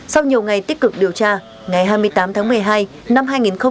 sau nhiều ngày tích cực điều tra ngày hai mươi tám tháng một mươi hai năm hai nghìn hai mươi ba